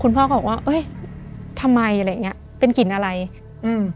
พ่อก็บอกว่าเอ้ยทำไมอะไรอย่างเงี้ยเป็นกลิ่นอะไรอืม